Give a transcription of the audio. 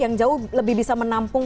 yang jauh lebih bisa menampung